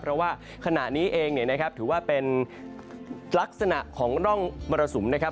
เพราะว่าขณะนี้เองถือว่าเป็นลักษณะของร่องบรสุมนะครับ